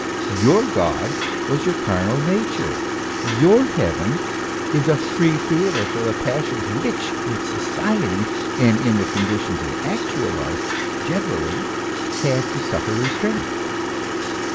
Your God was your carnal nature, your heaven only a free theatre for the passions which, in society and in the conditions of actual life generally, had to suffer restraint."